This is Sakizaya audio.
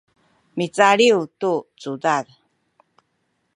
micaliw tu cudad